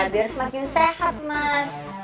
biar semakin sehat mas